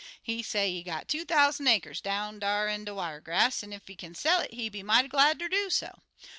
He say he got two thousan' acres down dar in de wiregrass, an' ef he kin sell it, he be mighty glad ter do so.